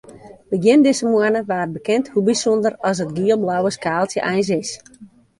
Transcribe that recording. Begjin dizze moanne waard bekend hoe bysûnder as it giel-blauwe skaaltsje eins is.